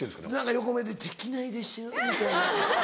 横目で「できないでしょ」みたいな。